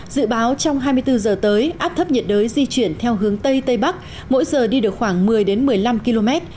dự báo trong hai mươi bốn giờ tới áp thấp nhiệt đới di chuyển theo hướng tây tây bắc mỗi giờ đi được khoảng một mươi một mươi năm km